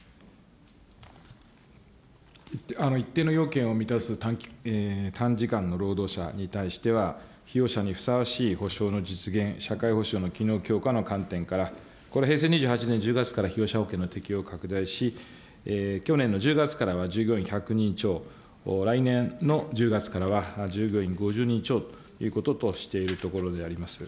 一定の要件を満たす短時間の労働者に対しては、被用者にふさわしい保障の実現、社会保障の機能強化の観点から、これ、平成２８年１０月から被用者保険の適用を拡大し、去年の１０月からは、従業員１００人超、来年の１０月からは従業員５０人超ということとしているところであります。